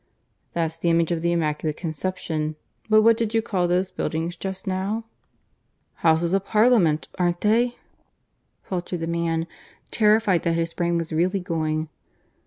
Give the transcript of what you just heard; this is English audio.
"That's the image of the Immaculate Conception. But what did you call those buildings just now?" "Houses of Parliament, aren't they?" faltered the man, terrified that his brain was really going.